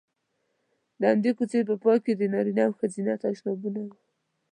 د همدې کوڅې په پای کې د نارینه او ښځینه تشنابونه وو.